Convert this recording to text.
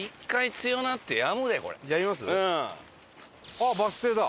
あっバス停だ。